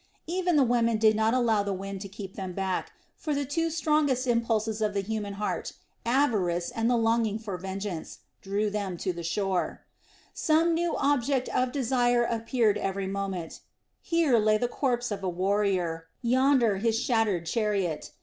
Even the women did not allow the wind to keep them back; for the two strongest impulses of the human heart, avarice and the longing for vengeance, drew them to the beach. Some new object of desire appeared every moment; here lay the corpse of a warrior, yonder his shattered chariot.